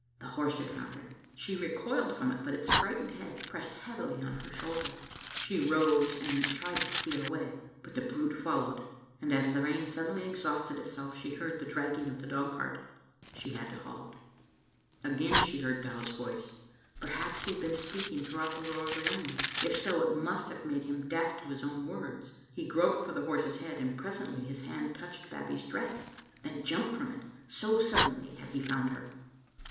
The horse had found her. She recoiled from it, but its frightened head pressed heavily on her shoulder. She rose and tried to steal away, but the brute followed, and as the rain suddenly exhausted itself she heard the drag ging of the dogcart. She had to halt. Again she heard Dow's voice. Perhaps he had been speaking throughout the roar of the rain. If so, it must have made him deaf to his own words. He groped for the horse's head, and presently his hand touched Bab bie's dress, then jumped from it, so suddenly had he found her.